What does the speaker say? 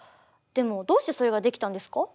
でもどうしてそれができたんですか？